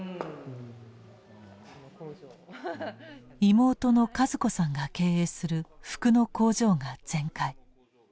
妹の和子さんが経営する服の工場が全壊。